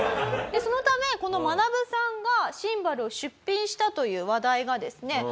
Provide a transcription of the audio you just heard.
そのためこのマナブさんがシンバルを出品したという話題がですね